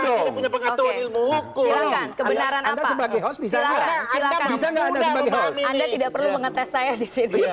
ilmu hukum kebenaran anda sebagai host bisa bisa anda tidak perlu mengetes saya disini